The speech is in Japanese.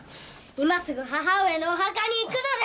今すぐ母上のお墓に行くのである！